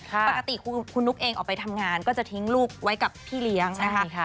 ปกติคุณนุ๊กเองออกไปทำงานก็จะทิ้งลูกไว้กับพี่เลี้ยงนะคะ